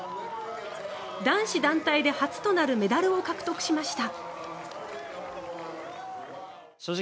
男子団体で初となるメダルを獲得しました。